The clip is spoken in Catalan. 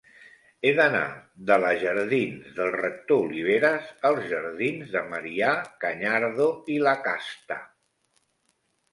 He d'anar de la jardins del Rector Oliveras als jardins de Marià Cañardo i Lacasta.